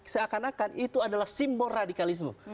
seakan akan itu adalah simbol radikalisme